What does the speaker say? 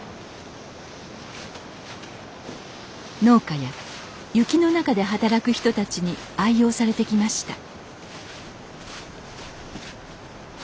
農家や雪の中で働く人たちに愛用されてきました